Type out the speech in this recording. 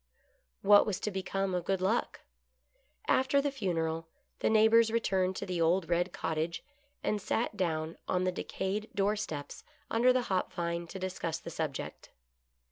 What was to become of Good Luck ? After the funeral the neighbors returned to the old red cottage, and sat down on the decayed door steps under the hop vine to discuss the subject.